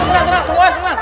tenang tenang semuanya senang